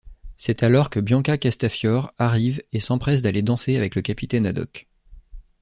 C'est alors que Bianca Castafiore arrive et s'empresse d'aller danser avec le capitaine Haddock.